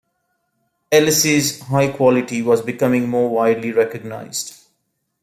Ellis' high quality was becoming more widely recognized.